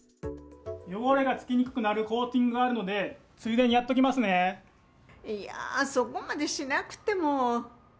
汚れがつきにくくなるコーティングがあるので、ついでにやっいやー、そこまでしなくても。